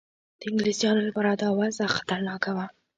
د انګلیسیانو لپاره دا وضع خطرناکه وه.